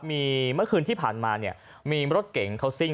มีเมื่อคืนที่ผ่านมาเนี่ยมีรถเก่งเขาซิ่ง